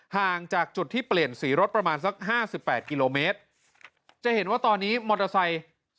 ห่างจากจุดที่เปลี่ยนสีรถประมาณสักห้าสิบแปดกิโลเมตรจะเห็นว่าตอนนี้มอเตอร์ไซค์